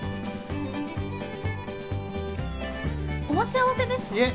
お待ち合わせですか？